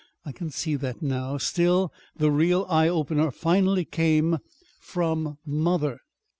I can see that now. Still, the real eye opener finally came from mother."